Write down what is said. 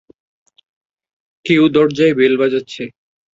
কেউ দরজার বেল বাজাচ্ছে।